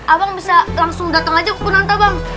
abang bisa langsung dateng aja ke kunanta bang